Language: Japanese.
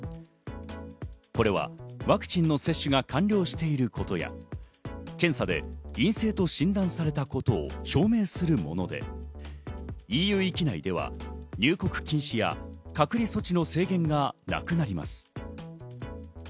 これはワクチンの接種が完了していることや検査で陰性と診断されたことを証明するもので、ＥＵ域内では入国禁止や隔離措置の制限がなくなります。